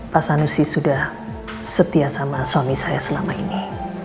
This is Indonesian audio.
pak sanusi sudah setia sama suami saya selama ini